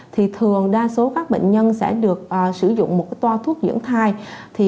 thì thường đa số các bệnh nhân sẽ được sử dụng một toa thuốc dưỡng thai